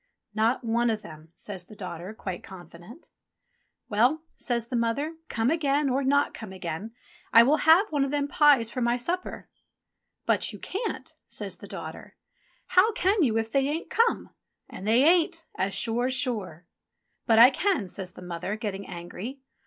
"Not one o' them," says the daughter, quite confident. 25 26 ENGLISH FAIRY TALES "Well," says the mother, "come again, or not come again, I will have one of them pies for my supper." "But you can't," says the daughter. "How can you if they ain't come ? And they ain't, as sure's sure." "But I can," says the mother, getting angry.